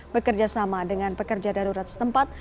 bekerja sama dengan pekerja darurat setempat